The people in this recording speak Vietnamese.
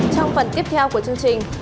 trong phần tiếp theo của chương trình